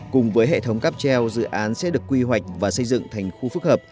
cùng với hệ thống cắp treo dự án sẽ được quy hoạch và xây dựng thành khu phức hợp